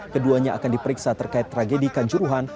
keduanya akan diperiksa terkait tragedikan juruhan